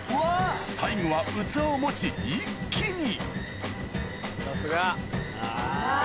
最後は器を持ち一気にさすが。